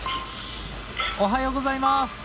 おはようございます。